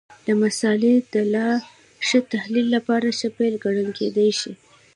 د مسألې د لا ښه تحلیل لپاره ښه پیل ګڼل کېدای شي.